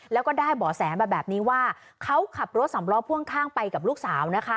แล้วก็ได้เบาะแสมาแบบนี้ว่าเขาขับรถสำล้อพ่วงข้างไปกับลูกสาวนะคะ